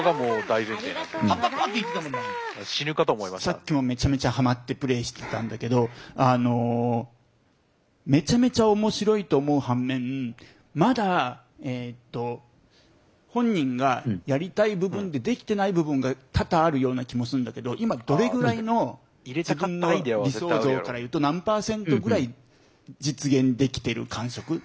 さっきもめちゃめちゃハマってプレイしてたんだけどあのめちゃめちゃ面白いと思う反面まだえと本人がやりたい部分でできてない部分が多々あるような気もするんだけど今どれぐらいの自分の理想像から言うと何％ぐらい実現できてる感触？